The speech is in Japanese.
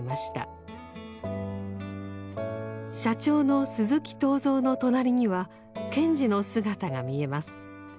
社長の鈴木東蔵の隣には賢治の姿が見えます。